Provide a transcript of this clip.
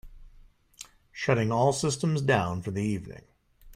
Shutting all systems down for the evening.